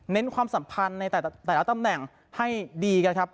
ความสัมพันธ์ในแต่ละตำแหน่งให้ดีกันครับ